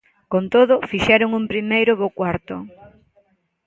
Con todo, fixeron un primeiro bo cuarto.